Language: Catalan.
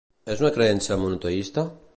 És una creença monoteista?